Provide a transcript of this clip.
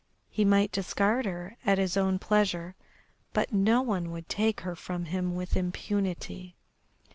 He might discard her at his own pleasure, but no one would take her from him with impunity.